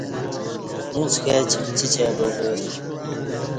اݩڅ کائ چِمچچ آئی با کہ اسیوم۔